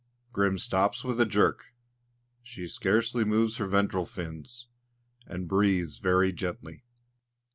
Grim stops with a jerk. She scarcely moves her ventral fins, and breathes very gently.